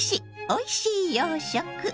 おいしい洋食」。